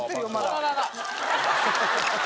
あららら。